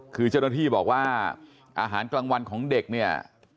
คือเจ้าหน้าที่บอกว่าอาหารกลางวันของเด็กเนี่ย